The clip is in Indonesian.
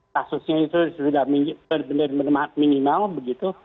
kasusnya itu sudah benar benar minimal begitu